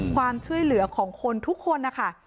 ความช่วยเหลือของคนทุกคนนะคะ